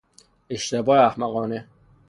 اشتباه احمقانه